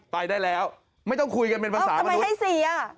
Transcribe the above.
ไปได้แล้วไม่ต้องคุยกันเป็นภาษาทำไมให้เสีย